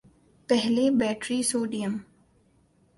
پہلے battery sodium